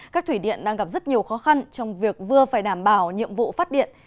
các thủy điện đang gặp rất nhiều khó khăn trong việc vừa phải đảm bảo nhiệm vụ phát điện